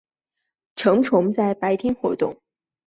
成虫在白天活动。